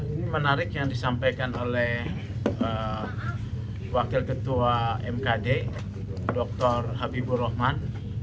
ini menarik yang disampaikan oleh wakil ketua mkd dr habibur rahman